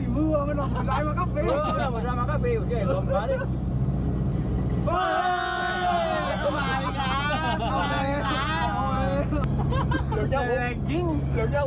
มามาได้เอ้ย